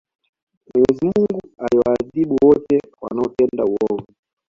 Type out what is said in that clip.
mwenyezi mungu anawaadhibu wote wanaotenda uovu